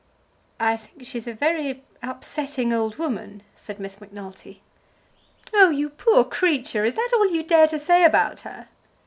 "I think she's a very upsetting old woman," said Miss Macnulty. "Oh, you poor creature! Is that all you dare to say about her?"